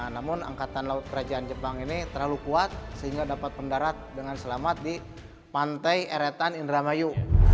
namun angkatan laut kerajaan jepang ini terlalu kuat sehingga dapat mendarat dengan selamat di pantai eretan indramayu